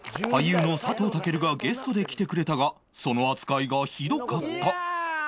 俳優の佐藤健がゲストで来てくれたがその扱いがひどかった